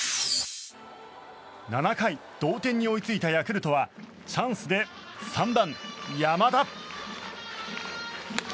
７回同点に追いついたヤクルトはチャンスで３番、山田。